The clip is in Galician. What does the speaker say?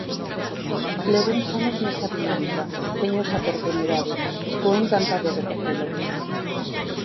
Levo uns anos nesa dinámica, teño esa oportunidade, estou encantado de facelo.